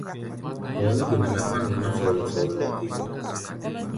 Bɔɔ nɛ́ ge nɛ mɛ kpán nɔ ná fɔ́lɔ́ɔ́-fɔ́lɔ́ɔ́ʼɛ ge?